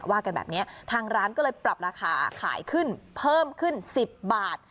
ว่ากันแบบนี้ทางร้านก็เลยปรับราคาขายขึ้นเพิ่มขึ้น๑๐บาท